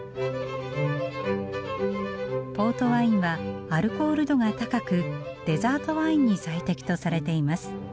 ポートワインはアルコール度が高くデザートワインに最適とされています。